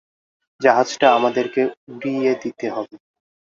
জাহাজটা আমাদেরকে উড়িয়ে দিতে হবে।